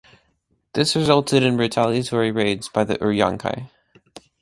This resulted in retaliatory raids by the Uriankhai.